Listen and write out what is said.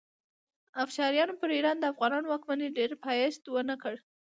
افشاریانو پر ایران د افغانانو واکمنۍ ډېر پایښت ونه کړ.